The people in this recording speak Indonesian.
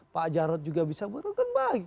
pak jarod juga bisa bergabung